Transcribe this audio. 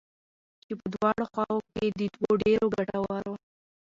چې په دواړو خواوو كې د دوو ډېرو گټورو